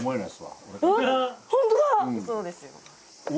そうですよ。